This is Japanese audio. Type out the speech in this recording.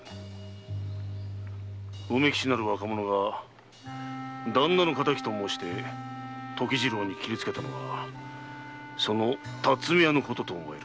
梅吉なる若者が「旦那の敵」と申して時次郎に斬りつけたのはその巽屋のことと思われる。